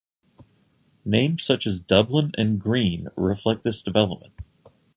Names such as "Dublin" and "Green" reflect this development.